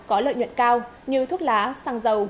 có lợi nhuận cao như thuốc lá xăng dầu